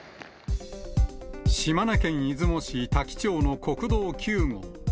島根県出雲市多伎町の国道９号。